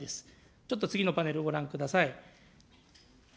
ちょっと、次のパネルをご覧ください。